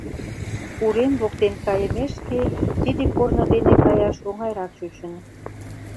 Урем воктен кайымешке, тиде корно дене каяш оҥайрак чучын.